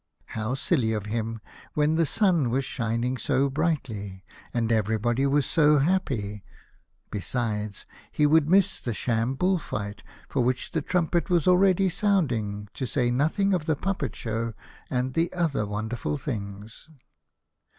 How silly of him, when the sun was shining so brightly, and everybody was so happy ! Besides, he would miss the sham bull fight for which the trumpet was already sounding, to say nothing of the puppet show and the other wonderful things.